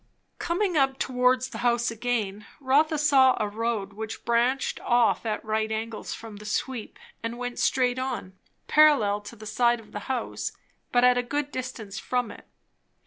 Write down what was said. Coming up towards the house again, Rotha saw a road which branched off at right angles from the sweep and went straight on, parallel to the side of the house but at a good distance from it.